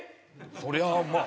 そりゃあまあ